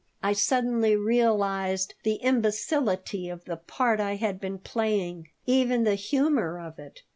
I suddenly realized the imbecility of the part I had been playing, even the humor of it.